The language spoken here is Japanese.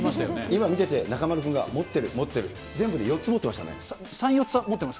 今見てて、中丸君が持ってる、持ってる、３、４つは持ってましたね。